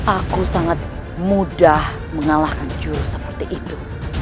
aku sangat mudah mengalahkan juru seperti itu